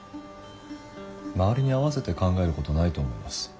周りに合わせて考えることないと思います。